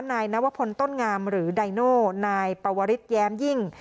นายนวพลต้นงามหรือไดโน่นายปวริสแย้มยิ่ง